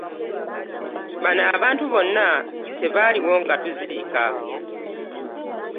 Bano abantu bonna tebaali wo nga tuziika.